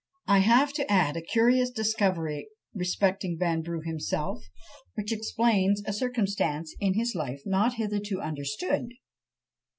I have to add a curious discovery respecting Vanbrugh himself, which explains a circumstance in his life not hitherto understood.